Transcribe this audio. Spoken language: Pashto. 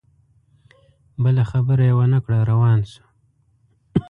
بله خبره یې ونه کړه روان سو